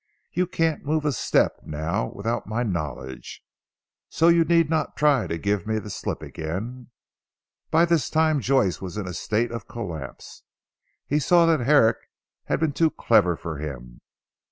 You can't move a step now without my knowledge. So you need not try to give me the slip again." By this time Joyce was in a state of collapse. He saw that Herrick had been too clever for him.